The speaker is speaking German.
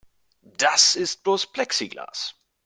Das ist bloß Plexiglas.